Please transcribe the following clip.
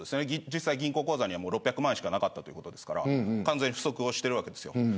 実際、銀行口座には６００万円しかなかったということですから完全に不足しているわけです。